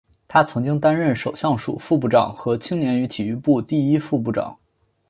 他曾经担任首相署副部长和青年与体育部第一副部长。